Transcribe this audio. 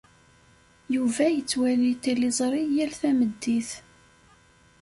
Yuba yettwali tiliẓri yal tameddit.